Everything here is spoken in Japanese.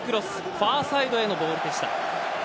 ファーサイドへのボールでした。